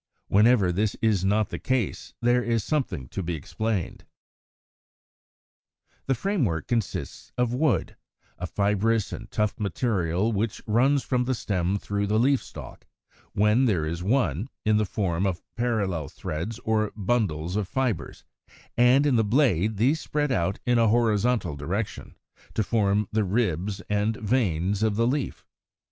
Whenever this is not the case there is something to be explained. 125. The framework consists of wood, a fibrous and tough material which runs from the stem through the leaf stalk, when there is one, in the form of parallel threads or bundles of fibres; and in the blade these spread out in a horizontal direction, to form the ribs and veins of the leaf.